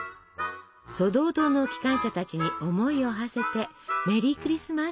ソドー島の機関車たちに思いをはせてメリー・クリスマス！